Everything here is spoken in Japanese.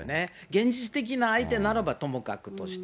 現実的な相手ならばともかくとして。